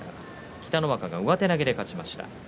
北の若が上手投げで勝ちました。